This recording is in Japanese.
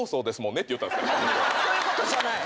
そういうことじゃない。